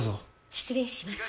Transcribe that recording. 失礼します。